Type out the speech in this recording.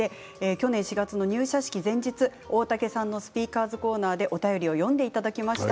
去年４月の入社式、前日大竹さんの「“スピーカーズコーナー”」でお便りを読んでいただきました。